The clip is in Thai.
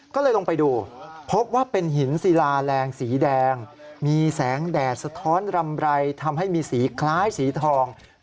ก็เลยลงไปดูพบว่าเป็นหินศิลาแรงสีแดงมีแสงแดดสะท้อนรำไรทำให้มีสีคล้ายสีทอง